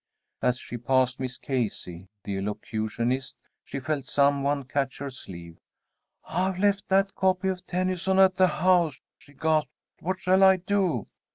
As she passed Miss Casey, the elocutionist, she felt some one catch her sleeve. "I've left that copy of Tennyson at the house," she gasped. "What shall I do?"